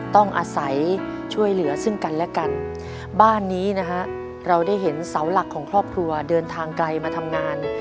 ต้องอาศัยช่วยเหลือซึ่งกันและกันบ้านนี้นะฮะเราได้เห็นเสาหลักของครอบครัวเดินทางไกลมาทำงาน